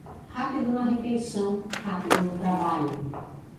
Rápido na refeição, rápido no trabalho.